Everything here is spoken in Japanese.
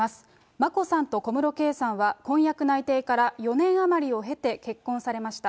眞子さんと小室圭さんは婚約内定から４年余りを経て、結婚されました。